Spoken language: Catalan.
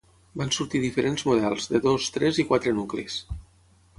Van sortir diferents models, de dos, tres i quatre nuclis.